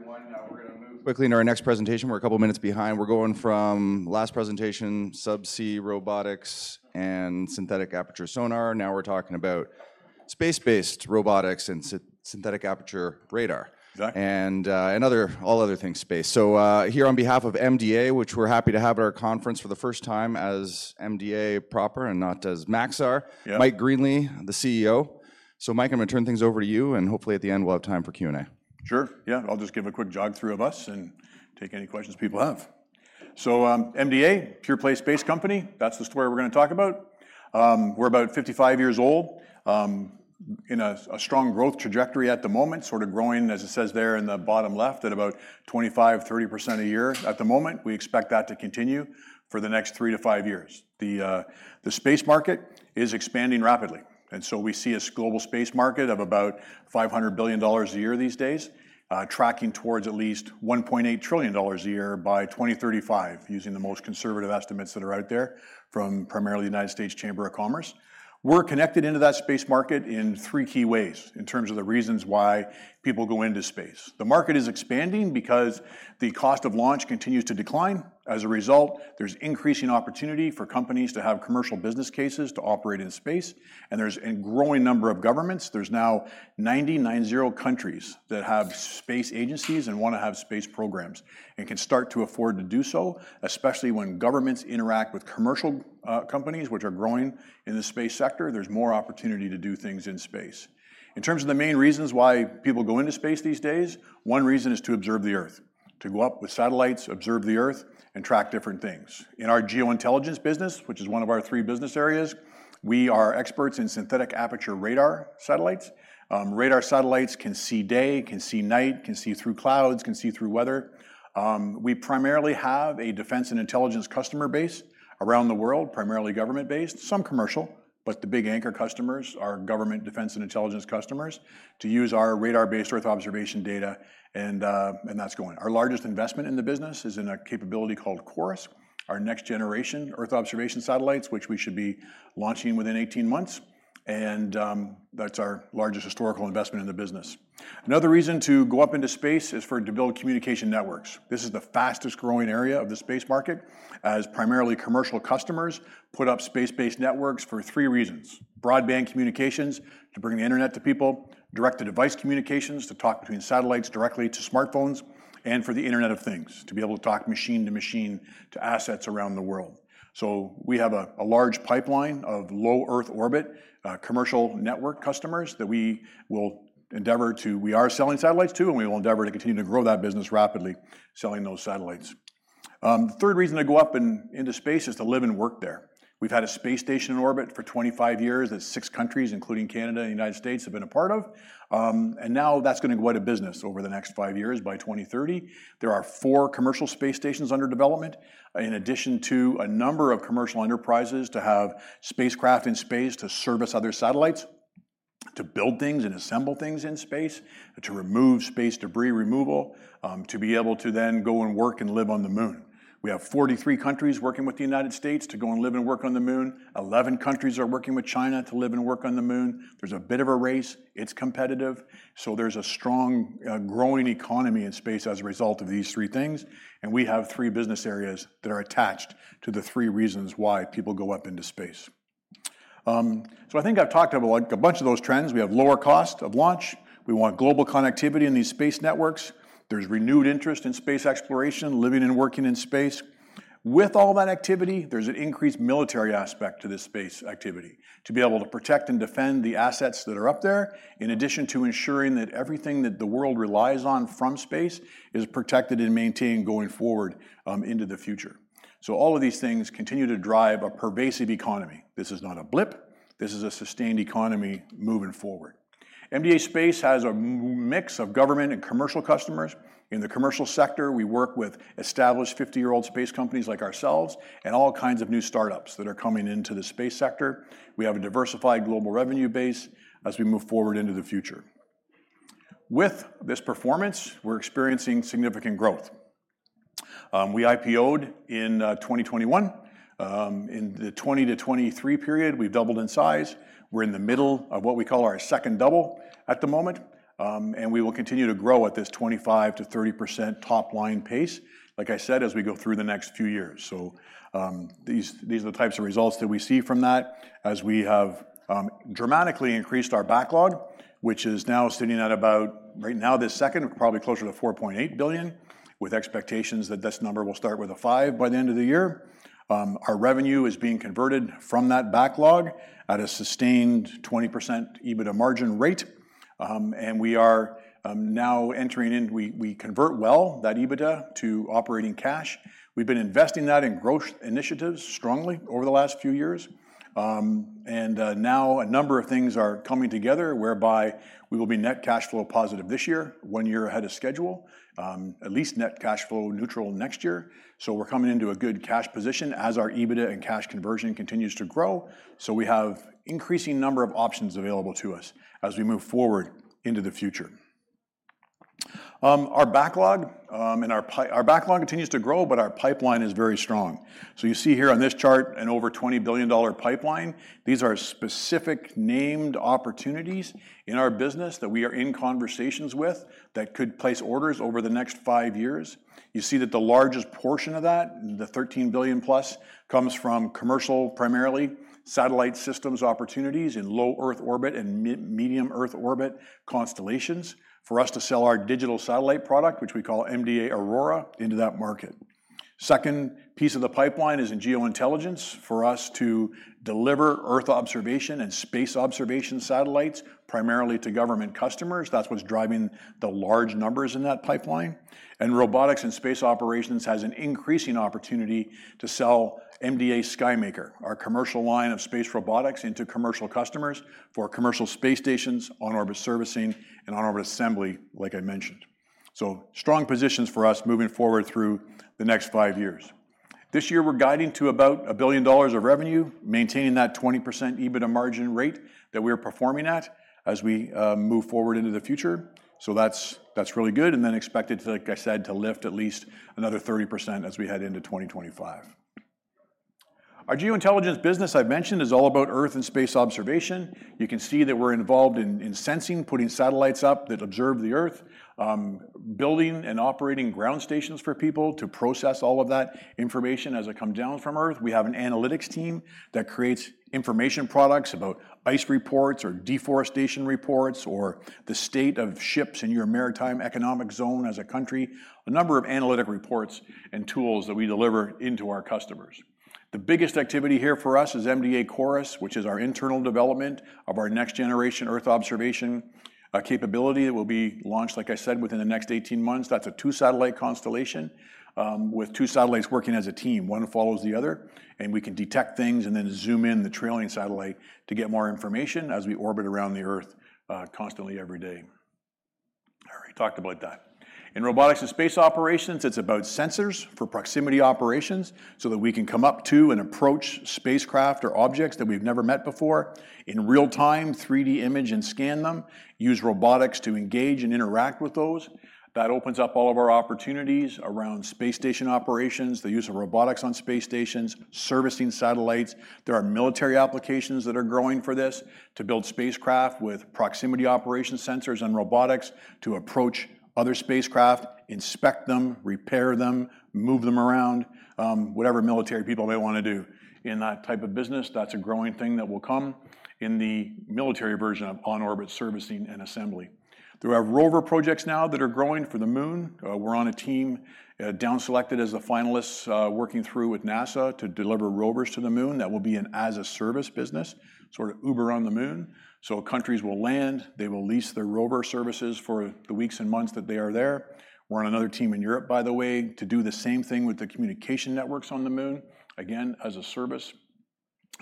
Everyone, now we're gonna move quickly into our next presentation. We're a couple of minutes behind. We're going from last presentation, subsea robotics and synthetic aperture sonar. Now we're talking about space-based robotics and synthetic aperture radar. Exactly. And other, all other things space. So, here on behalf of MDA, which we're happy to have at our conference for the first time as MDA proper, and not as Maxar. Yeah. Mike Greenley, the CEO. So Mike, I'm gonna turn things over to you, and hopefully, at the end, we'll have time for Q&A. Sure. Yeah, I'll just give a quick jog through of us and take any questions people have. So, MDA, pure-play space company, that's the story we're gonna talk about. We're about 55 years old, in a strong growth trajectory at the moment, sort of growing, as it says there in the bottom left, at about 25%-30% a year at the moment. We expect that to continue for the next 3-5 years. The space market is expanding rapidly, and so we see a global space market of about 500 billion dollars a year these days, tracking towards at least 1.8 trillion dollars a year by 2035, using the most conservative estimates that are out there from primarily the United States Chamber of Commerce. We're connected into that space market in three key ways, in terms of the reasons why people go into space. The market is expanding because the cost of launch continues to decline. As a result, there's increasing opportunity for companies to have commercial business cases to operate in space, and there's a growing number of governments. There's now 90 countries that have space agencies and wanna have space programs, and can start to afford to do so. Especially when governments interact with commercial companies, which are growing in the space sector, there's more opportunity to do things in space. In terms of the main reasons why people go into space these days, one reason is to observe the Earth. To go up with satellites, observe the Earth, and track different things. In our Geointelligence business, which is one of our three business areas, we are experts in Synthetic Aperture Radar satellites. Radar satellites can see day, can see night, can see through clouds, can see through weather. We primarily have a defense and intelligence customer base around the world, primarily government-based, some commercial, but the big anchor customers are government defense and intelligence customers to use our radar-based Earth observation data, and that's going. Our largest investment in the business is in a capability called CHORUS, our next generation Earth observation satellites, which we should be launching within 18 months, and that's our largest historical investment in the business. Another reason to go up into space is to build communication networks. This is the fastest growing area of the space market, as primarily commercial customers put up space-based networks for three reasons: broadband communications, to bring the internet to people, direct-to-device communications, to talk between satellites directly to smartphones, and for the Internet of Things, to be able to talk machine to machine, to assets around the world. So we have a large pipeline of low Earth orbit commercial network customers that we are selling satellites to, and we will endeavor to continue to grow that business rapidly, selling those satellites. The third reason to go up in, into space is to live and work there. We've had a space station in orbit for 25 years, that six countries, including Canada and the United States, have been a part of. Now that's gonna go out of business over the next five years, by 2030. There are four commercial space stations under development, in addition to a number of commercial enterprises to have spacecraft in space to service other satellites, to build things and assemble things in space, to remove space debris removal, to be able to then go and work and live on the Moon. We have 43 countries working with the United States to go and live and work on the Moon. 11 countries are working with China to live and work on the Moon. There's a bit of a race. It's competitive, so there's a strong, growing economy in space as a result of these three things, and we have three business areas that are attached to the three reasons why people go up into space. So I think I've talked about, like, a bunch of those trends. We have lower cost of launch. We want global connectivity in these space networks. There's renewed interest in space exploration, living and working in space. With all that activity, there's an increased military aspect to this space activity, to be able to protect and defend the assets that are up there, in addition to ensuring that everything that the world relies on from space is protected and maintained going forward, into the future. So all of these things continue to drive a pervasive economy. This is not a blip. This is a sustained economy moving forward. MDA Space has a mix of government and commercial customers. In the commercial sector, we work with established 50-year-old space companies like ourselves and all kinds of new startups that are coming into the space sector. We have a diversified global revenue base as we move forward into the future. With this performance, we're experiencing significant growth. We IPO'd in 2021. In the 2020-2023 period, we've doubled in size. We're in the middle of what we call our second double at the moment, and we will continue to grow at this 25%-30% top-line pace, like I said, as we go through the next few years. These are the types of results that we see from that, as we have dramatically increased our backlog, which is now sitting at about, right now, this second, probably closer to 4.8 billion, with expectations that this number will start with a 5 by the end of the year. Our revenue is being converted from that backlog at a sustained 20% EBITDA margin rate. And we are, now entering into, we convert well that EBITDA to operating cash. We've been investing that in growth initiatives strongly over the last few years. And, now a number of things are coming together, whereby we will be net cash flow positive this year, one year ahead of schedule. At least net cash flow neutral next year, so we're coming into a good cash position as our EBITDA and cash conversion continues to grow. So we have increasing number of options available to us as we move forward into the future. Our backlog continues to grow, but our pipeline is very strong. So you see here on this chart, an over 20 billion dollar pipeline. These are specific named opportunities in our business that we are in conversations with, that could place orders over the next five years. You see that the largest portion of that, the 13 billion+, comes from commercial, primarily satellite systems opportunities in low Earth orbit and medium Earth orbit constellations, for us to sell our digital satellite product, which we call MDA AURORA, into that market. Second piece of the pipeline is in Geointelligence, for us to deliver Earth observation and space observation satellites, primarily to government customers. That's what's driving the large numbers in that pipeline. And Robotics and Space Operations has an increasing opportunity to sell MDA SKYMAKER, our commercial line of space robotics, into commercial customers for commercial space stations, on-orbit servicing, and on-orbit assembly, like I mentioned. So strong positions for us moving forward through the next five years. This year, we're guiding to about 1 billion dollars of revenue, maintaining that 20% EBITDA margin rate that we are performing at, as we move forward into the future. So that's really good, and then expected to, like I said, to lift at least another 30% as we head into 2025. Our Geointelligence business, I've mentioned, is all about Earth and space observation. You can see that we're involved in sensing, putting satellites up that observe the Earth, building and operating ground stations for people to process all of that information as it come down from Earth. We have an analytics team that creates information products about ice reports or deforestation reports, or the state of ships in your maritime economic zone as a country. A number of analytic reports and tools that we deliver into our customers. The biggest activity here for us is MDA CHORUS, which is our internal development of our next-generation Earth observation capability, that will be launched, like I said, within the next 18 months. That's a two-satellite constellation with two satellites working as a team. One follows the other, and we can detect things, and then zoom in the trailing satellite to get more information as we orbit around the Earth constantly every day. I already talked about that. In Robotics and Space Operations, it's about sensors for proximity operations, so that we can come up to and approach spacecraft or objects that we've never met before, in real time, 3D image and scan them, use robotics to engage and interact with those. That opens up all of our opportunities around space station operations, the use of robotics on space stations, servicing satellites. There are military applications that are growing for this, to build spacecraft with proximity operations sensors and robotics, to approach other spacecraft, inspect them, repair them, move them around, whatever military people may wanna do. In that type of business, that's a growing thing that will come in the military version of on-orbit servicing and assembly. There are rover projects now that are growing for the Moon. We're on a team, down-selected as the finalists, working through with NASA to deliver rovers to the Moon. That will be an as-a-service business, sort of Uber on the Moon. So countries will land, they will lease their rover services for the weeks and months that they are there. We're on another team in Europe, by the way, to do the same thing with the communication networks on the Moon, again, as a service.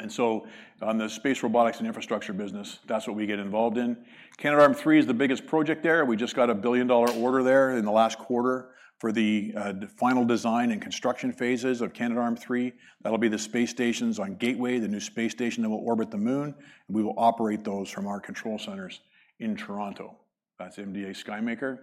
So on the space robotics and infrastructure business, that's what we get involved in. Canadarm3 is the biggest project there. We just got a billion-dollar order there in the last quarter for the final design and construction phases of Canadarm3. That'll be the space stations on Gateway, the new space station that will orbit the Moon, and we will operate those from our control centers in Toronto. That's MDA SKYMAKER.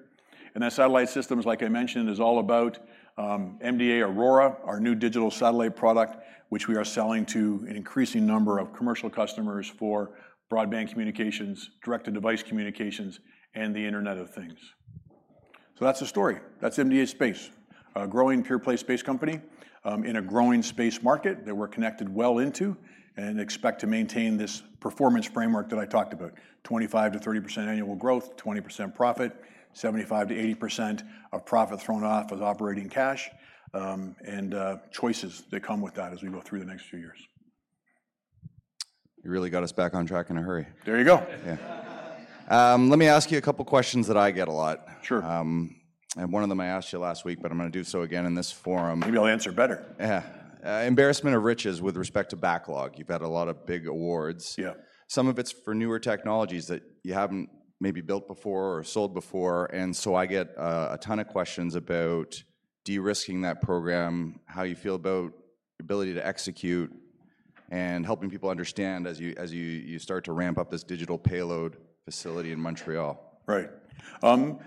And then Satellite Systems, like I mentioned, is all about MDA AURORA, our new digital satellite product, which we are selling to an increasing number of commercial customers for broadband communications, direct-to-device communications, and the Internet of Things. So that's the story. That's MDA Space. A growing pure-play space company in a growing space market that we're connected well into, and expect to maintain this performance framework that I talked about. 25%-30% annual growth, 20% profit, 75%-80% of profit thrown off as operating cash, and choices that come with that as we go through the next few years. You really got us back on track in a hurry. There you go. Yeah. Let me ask you a couple questions that I get a lot. Sure. One of them I asked you last week, but I'm gonna do so again in this forum. Maybe I'll answer better. Yeah. Embarrassment of riches with respect to backlog. You've had a lot of big awards. Yeah. Some of it's for newer technologies that you haven't maybe built before or sold before, and so I get a ton of questions about de-risking that program, how you feel about your ability to execute, and helping people understand as you start to ramp up this digital payload facility in Montreal. Right.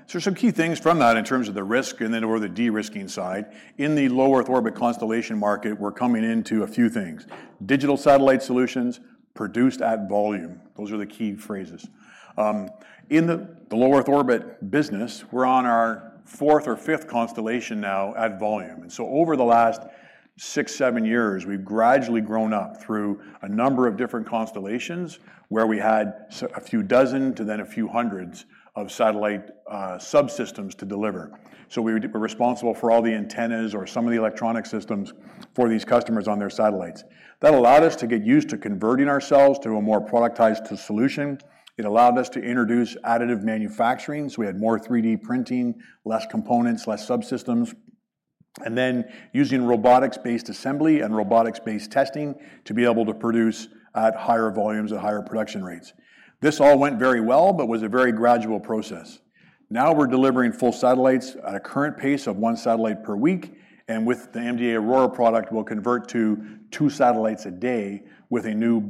So some key things from that, in terms of the risk and then or the de-risking side. In the Low Earth Orbit constellation market, we're coming into a few things: digital satellite solutions, produced at volume. Those are the key phrases. In the Low Earth Orbit business, we're on our fourth or fifth constellation now at volume. And so over the last 6-7 years, we've gradually grown up through a number of different constellations, where we had a few dozen to then a few hundred satellite subsystems to deliver. So we were responsible for all the antennas or some of the electronic systems for these customers on their satellites. That allowed us to get used to converting ourselves to a more productized solution. It allowed us to introduce additive manufacturing, so we had more 3D printing, less components, less subsystems. And then, using robotics-based assembly and robotics-based testing, to be able to produce at higher volumes and higher production rates. This all went very well, but was a very gradual process. Now, we're delivering full satellites at a current pace of one satellite per week, and with the MDA AURORA product, we'll convert to two satellites a day, with a new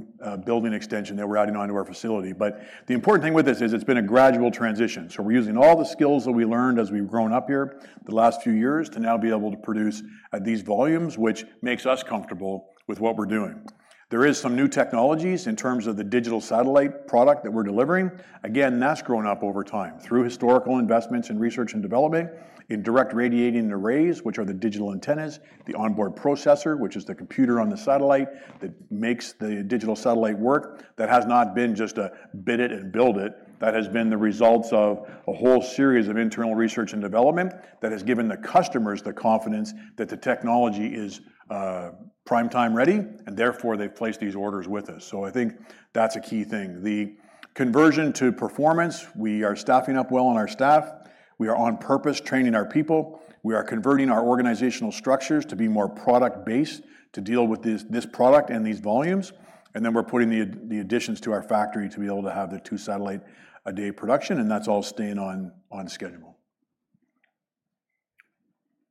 building extension that we're adding on to our facility. But the important thing with this is, it's been a gradual transition. So we're using all the skills that we learned as we've grown up here the last few years, to now be able to produce at these volumes, which makes us comfortable with what we're doing. There is some new technologies in terms of the digital satellite product that we're delivering. Again, that's grown up over time, through historical investments in research and development, in Direct Radiating Arrays, which are the digital antennas, the on-board processor, which is the computer on the satellite that makes the digital satellite work. That has not been just a bid it and build it. That has been the results of a whole series of internal research and development, that has given the customers the confidence that the technology is, prime time ready, and therefore, they've placed these orders with us. So I think that's a key thing. The conversion to performance, we are staffing up well on our staff. We are on purpose training our people. We are converting our organizational structures to be more product-based, to deal with this, this product and these volumes, and then we're putting the additions to our factory to be able to have the 2 satellite a day production, and that's all staying on schedule.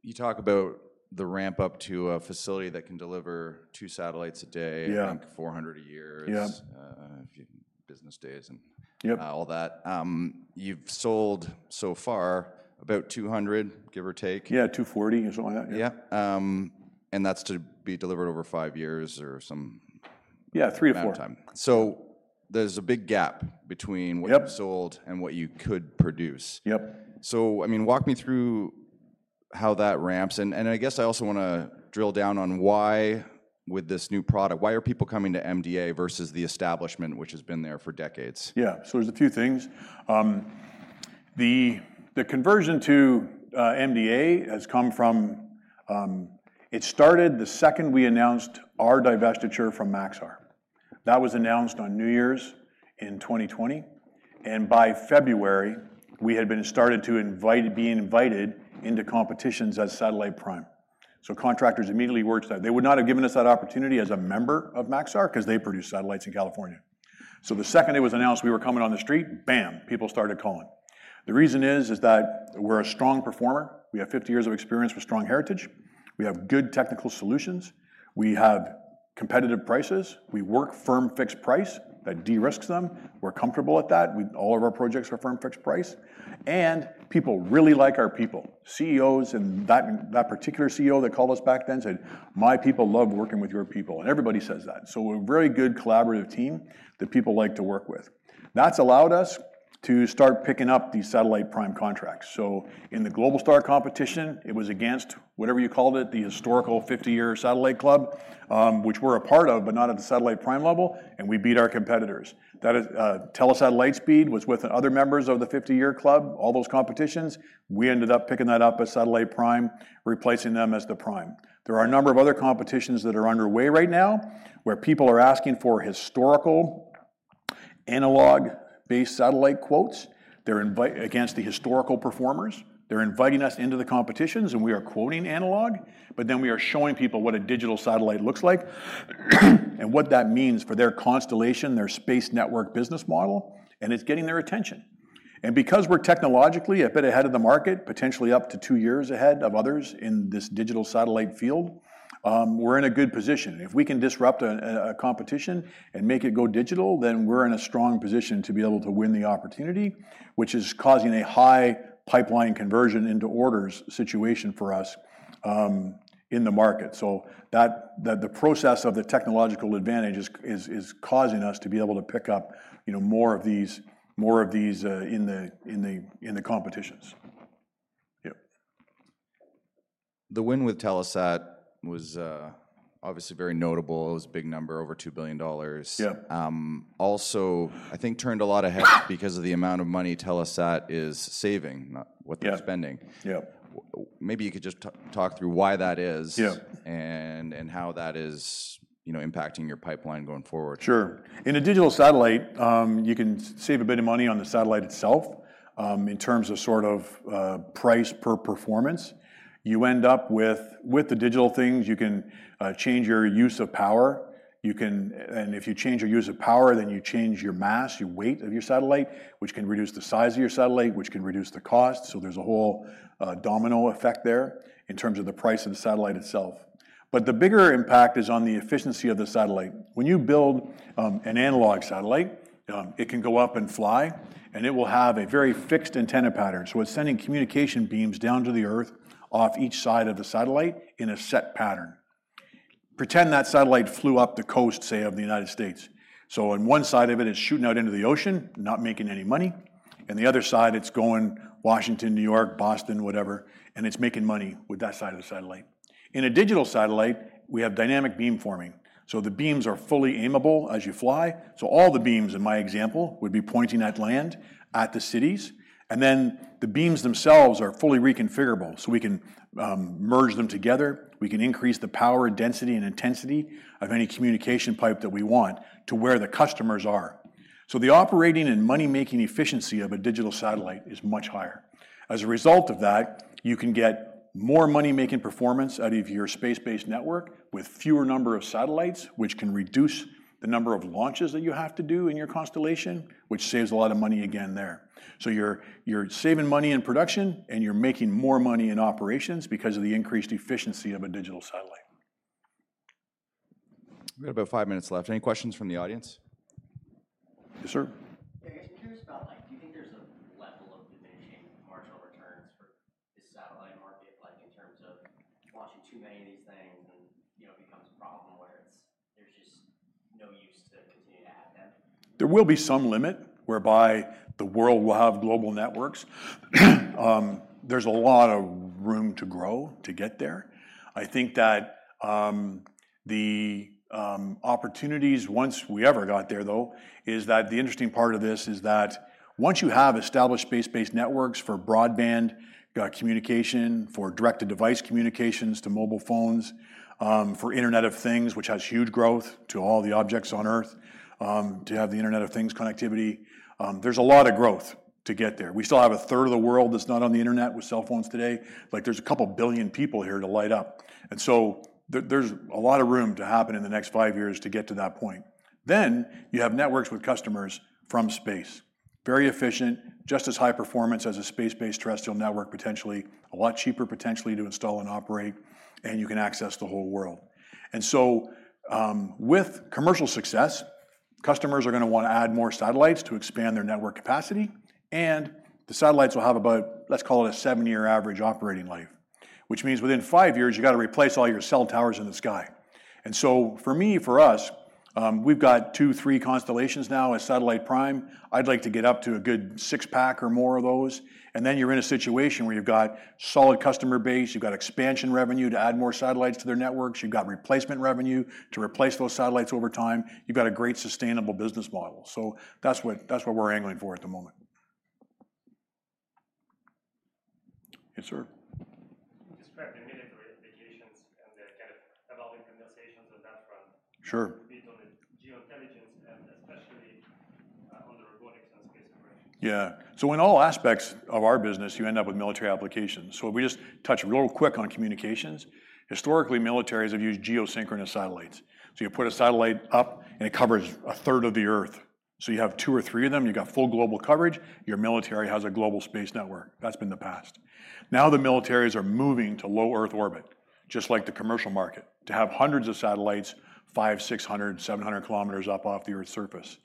You talk about the ramp-up to a facility that can deliver two satellites a day, like 400 a year. Yeah. A few business days, and all that. You've sold so far about 200, give or take? Yeah, 240-ish or so, yeah. And that's to be delivered over five years or some time. Yeah, 3-4 years. So there's a big gap between-what you've sold and what you could produce. Yep. So, I mean, walk me through how that ramps. And, and I guess I also wanna drill down on why, with this new product, why are people coming to MDA versus the establishment, which has been there for decades? Yeah. So there's a few things. The conversion to MDA has come from. It started the second we announced our divestiture from Maxar. That was announced on New Year's in 2020, and by February, we had started being invited into competitions as satellite prime. So contractors immediately worked that. They would not have given us that opportunity as a member of Maxar, 'cause they produce satellites in California. So the second it was announced, we were coming on the street, bam! People started calling. The reason is that we're a strong performer. We have 50 years of experience with strong heritage. We have good technical solutions. We have competitive prices. We work firm fixed price, that de-risks them. We're comfortable at that. All of our projects are firm fixed price, and people really like our people. CEOs, and that particular CEO that called us back then, said, "My people love working with your people." And everybody says that. So a very good collaborative team that people like to work with. That's allowed us to start picking up these satellite prime contracts. So in the Globalstar competition, it was against, whatever you called it, the historical 50-year satellite club, which we're a part of, but not at the satellite prime level, and we beat our competitors. That is, Telesat Lightspeed was with other members of the 50-year club, all those competitions. We ended up picking that up as satellite prime, replacing them as the prime. There are a number of other competitions that are underway right now, where people are asking for historical, analog-based satellite quotes. They're against the historical performers. They're inviting us into the competitions, and we are quoting analog, but then we are showing people what a digital satellite looks like, and what that means for their constellation, their space network business model, and it's getting their attention. Because we're technologically a bit ahead of the market, potentially up to two years ahead of others in this digital satellite field, we're in a good position. If we can disrupt a competition and make it go digital, then we're in a strong position to be able to win the opportunity, which is causing a high pipeline conversion into orders situation for us in the market. So the process of the technological advantage is causing us to be able to pick up, you know, more of these, more of these in the competitions. Yep. The win with Telesat was, obviously very notable. It was a big number, over 2 billion dollars. Yeah. Also, I think turned a lot of heads, because of the amount of money Telesat is saving, not what they're spending. Yep. Maybe you could just talk through why that is and how that is, you know, impacting your pipeline going forward. Sure. In a digital satellite, you can save a bit of money on the satellite itself. In terms of sort of price per performance, you end up with the digital things, you can change your use of power. And if you change your use of power, then you change your mass, your weight of your satellite, which can reduce the size of your satellite, which can reduce the cost. So there's a whole domino effect there in terms of the price of the satellite itself. But the bigger impact is on the efficiency of the satellite. When you build an analog satellite, it can go up and fly, and it will have a very fixed antenna pattern. So it's sending communication beams down to the Earth off each side of the satellite in a set pattern. Pretend that satellite flew up the coast, say, of the United States. So on one side of it, it's shooting out into the ocean, not making any money, and the other side, it's going Washington, New York, Boston, whatever, and it's making money with that side of the satellite. In a digital satellite, we have Dynamic Beam Forming. So the beams are fully aimable as you fly. So all the beams, in my example, would be pointing at land, at the cities, and then the beams themselves are fully reconfigurable, so we can merge them together. We can increase the power, density, and intensity of any communication pipe that we want to where the customers are. So the operating and money-making efficiency of a digital satellite is much higher. As a result of that, you can get more money-making performance out of your space-based network with fewer number of satellites, which can reduce the number of launches that you have to do in your constellation, which saves a lot of money again there. So you're saving money in production, and you're making more money in operations because of the increased efficiency of a digital satellite. We've got about five minutes left. Any questions from the audience? Yes, sir. Yeah, I'm just curious about, like, do you think there's launching too many of these things and, you know, becomes a problem where it's, there's just no use to continue to add them? There will be some limit whereby the world will have global networks. There's a lot of room to grow to get there. I think that the opportunities, once we ever got there, though, is that the interesting part of this is that once you have established space-based networks for broadband, you got communication, for direct-to-device communications to mobile phones, for Internet of Things, which has huge growth to all the objects on Earth, to have the Internet of Things connectivity, there's a lot of growth to get there. We still have a third of the world that's not on the internet with cell phones today. Like, there's couple billion people here to light up, and so there's a lot of room to happen in the next 5 years to get to that point. Then, you have networks with customers from space. Very efficient, just as high performance as a space-based terrestrial network, potentially a lot cheaper, potentially to install and operate, and you can access the whole world. And so, with commercial success, customers are gonna wanna add more satellites to expand their network capacity, and the satellites will have about, let's call it a 7-year average operating life. Which means within 5 years, you've got to replace all your cell towers in the sky. And so for me, for us, we've got 2, 3 constellations now as Satellite Prime. I'd like to get up to a good 6-pack or more of those, and then you're in a situation where you've got solid customer base, you've got expansion revenue to add more satellites to their networks, you've got replacement revenue to replace those satellites over time. You've got a great, sustainable business model. That's what we're angling for at the moment. Yes, sir? You described the military applications and the kind of evolving conversations on that front. Sure. Can you repeat on the Geointelligence, and especially, on the Robotics and Space Operations? Yeah. So in all aspects of our business, you end up with military applications. So we just touch real quick on communications. Historically, militaries have used geosynchronous satellites. So you put a satellite up, and it covers a third of the Earth. So you have two or three of them, you've got full global coverage, your military has a global space network. That's been the past. Now, the militaries are moving to low Earth orbit, just like the commercial market, to have hundreds of satellites, 500 km, 600 km, 700 km up off the Earth's surface.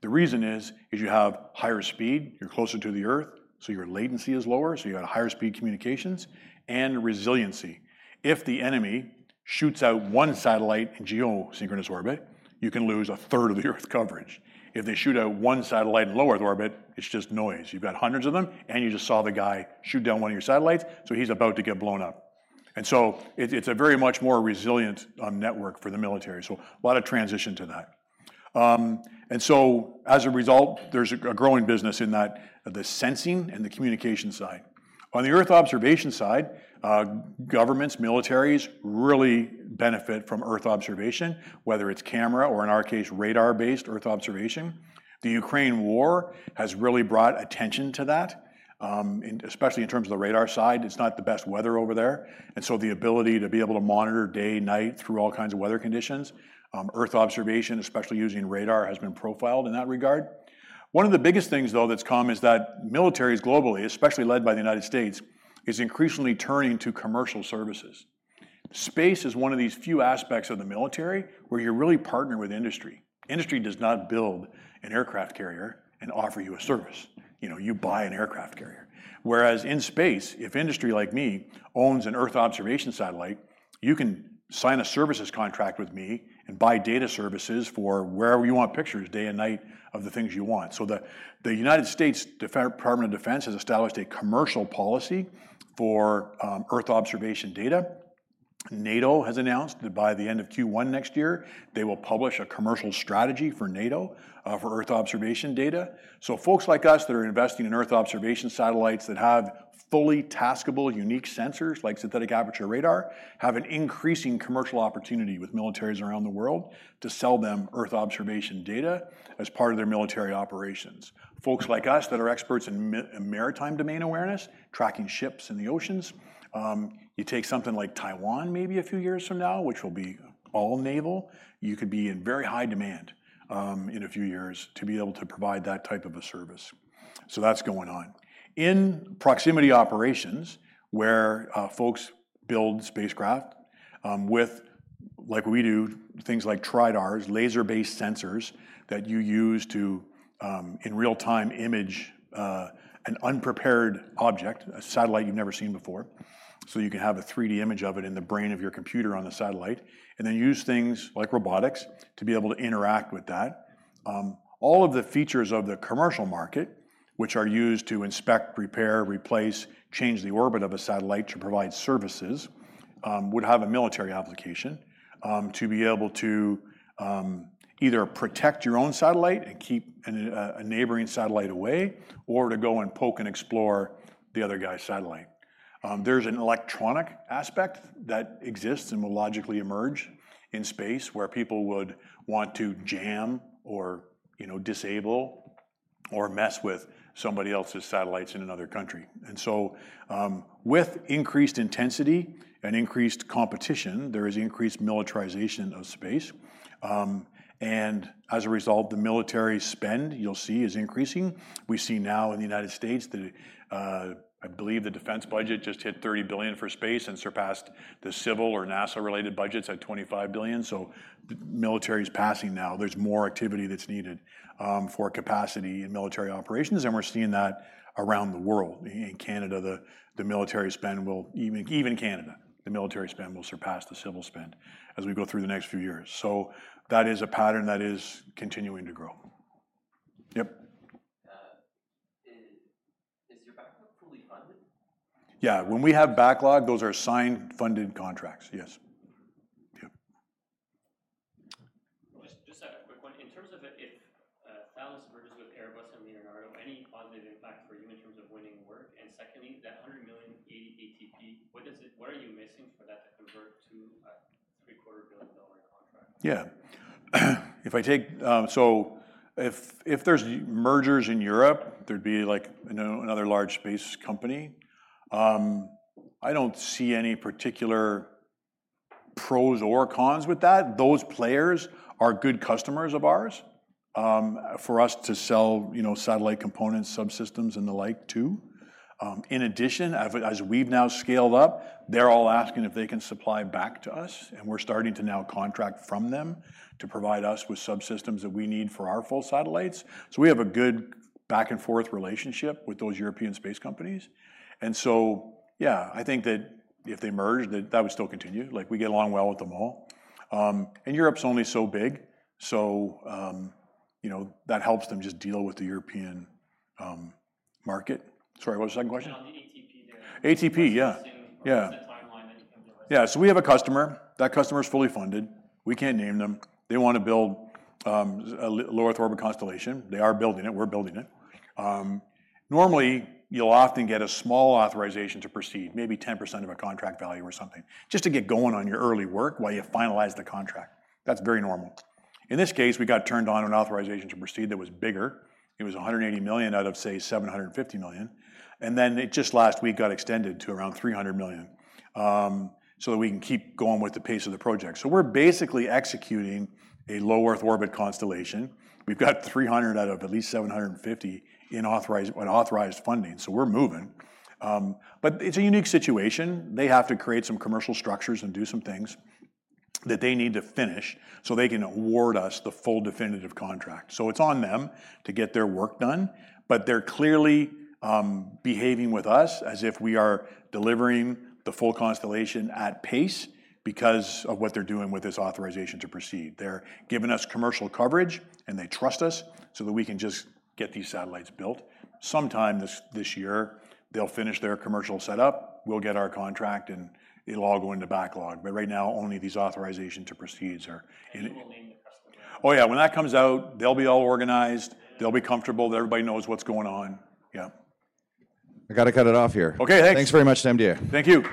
The reason is you have higher speed, you're closer to the Earth, so your latency is lower, so you got higher speed communications and resiliency. If the enemy shoots out one satellite in geosynchronous orbit, you can lose a third of the Earth coverage. If they shoot out one satellite in low-Earth orbit, it's just noise. You've got hundreds of them, and you just saw the guy shoot down one of your satellites, so he's about to get blown up. And so it's a very much more resilient network for the military, so a lot of transition to that. And so as a result, there's a growing business in that, the sensing and the communication side. On the Earth observation side, governments, militaries really benefit from Earth observation, whether it's camera or, in our case, radar-based Earth observation. The Ukraine war has really brought attention to that, especially in terms of the radar side. It's not the best weather over there, and so the ability to be able to monitor day, night, through all kinds of weather conditions, earth observation, especially using radar, has been profiled in that regard. One of the biggest things, though, that's come is that militaries globally, especially led by the United States, is increasingly turning to commercial services. Space is one of these few aspects of the military where you're really partnering with industry. Industry does not build an aircraft carrier and offer you a service. You know, you buy an aircraft carrier. Whereas in space, if industry like me owns an Earth observation satellite, you can sign a services contract with me and buy data services for wherever you want pictures, day and night, of the things you want. So the United States Department of Defense has established a commercial policy for Earth observation data. NATO has announced that by the end of Q1 next year, they will publish a commercial strategy for NATO for Earth observation data. So folks like us that are investing in Earth observation satellites that have fully taskable, unique sensors, like synthetic aperture radar, have an increasing commercial opportunity with militaries around the world to sell them Earth observation data as part of their military operations. Folks like us that are experts in maritime domain awareness, tracking ships in the oceans, you take something like Taiwan, maybe a few years from now, which will be all naval, you could be in very high demand in a few years to be able to provide that type of a service. So that's going on. In proximity operations, where folks build spacecraft, like we do, things like TriDARs, laser-based sensors that you use to in real time image an unprepared object, a satellite you've never seen before, so you can have a 3D image of it in the brain of your computer on the satellite, and then use things like robotics to be able to interact with that. All of the features of the commercial market, which are used to inspect, repair, replace, change the orbit of a satellite to provide services, would have a military application, to be able to either protect your own satellite and keep a neighboring satellite away or to go and poke and explore the other guy's satellite. There's an electronic aspect that exists and will logically emerge in space where people would want to jam or, you know, disable or mess with somebody else's satellites in another country. And so, with increased intensity and increased competition, there is increased militarization of space. And as a result, the military spend, you'll see, is increasing. We see now in the United States that, I believe the defense budget just hit $30 billion for space and surpassed the civil or NASA-related budgets at $25 billion, so the military is passing now. There's more activity that's needed for capacity in military operations, and we're seeing that around the world. In Canada, even in Canada, the military spend will surpass the civil spend as we go through the next few years. So that is a pattern that is continuing to grow. Yep? Is your backlog fully funded? Yeah, when we have backlog, those are signed, funded contracts. Yes. Just, just a quick one. In terms of if Thales merges with Airbus and Leonardo, any positive impact for you in terms of winning work? And secondly, that 100 million ATP, what is it-what are you missing for that to convert to a CAD 750 million contract? Yeah. If I take, so if, if there's mergers in Europe, there'd be, like, another large space company. I don't see any particular pros or cons with that. Those players are good customers of ours, for us to sell, you know, satellite components, subsystems, and the like, too. In addition, as we've now scaled up, they're all asking if they can supply back to us, and we're starting to now contract from them to provide us with subsystems that we need for our full satellites. So we have a good back-and-forth relationship with those European space companies. And so, yeah, I think that if they merged, that that would still continue. Like, we get along well with them all. And Europe's only so big, so, you know, that helps them just deal with the European market. Sorry, what was the second question? On the ATP there. ATP, yeah. What's the timeline that you can do it? Yeah, so we have a customer. That customer is fully funded. We can't name them. They want to build a low Earth orbit constellation. They are building it. We're building it. Normally, you'll often get a small authorization to proceed, maybe 10% of a contract value or something, just to get going on your early work while you finalize the contract. That's very normal. In this case, we got turned on an authorization to proceed that was bigger. It was 180 million out of, say, 750 million, and then it just last week got extended to around 300 million, so that we can keep going with the pace of the project. So we're basically executing a low Earth orbit constellation. We've got 300 million out of at least 750 million in authorized funding, so we're moving. But it's a unique situation. They have to create some commercial structures and do some things that they need to finish, so they can award us the full definitive contract. So it's on them to get their work done, but they're clearly behaving with us as if we are delivering the full constellation at pace because of what they're doing with this authorization to proceed. They're giving us commercial coverage, and they trust us, so that we can just get these satellites built. Sometime this year, they'll finish their commercial setup, we'll get our contract, and it'll all go into backlog. But right now, only these authorization to proceeds are in. You will name the customer? Oh, yeah. When that comes out, they'll be all organized, they'll be comfortable, that everybody knows what's going on. Yeah. I got to cut it off here. Okay, thanks. Thanks very much to MDA. Thank you.